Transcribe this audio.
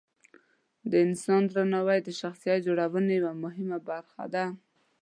د انسان درناوی د شخصیت جوړونې یوه لازمه برخه ده.